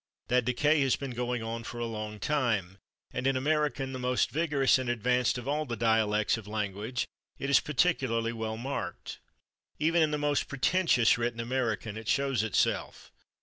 That decay has been going on for a long time, and in American, the most vigorous and advanced of all the dialects of the language, it is particularly well marked. Even in the most pretentious written American it shows itself.